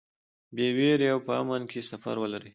بې وېرې او په امن کې سفر ولرئ.